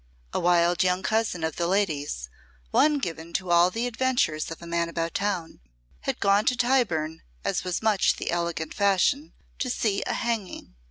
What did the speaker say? A wild young cousin of the lady's, one given to all the adventures of a man about town, had gone to Tyburn, as was much the elegant fashion, to see a hanging.